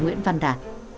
nguyễn văn đạt